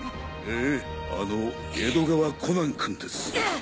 ええあの江戸川コナン君です。